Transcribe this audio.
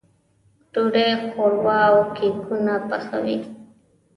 ډوډۍ، ښوروا او کيکونه پخوي.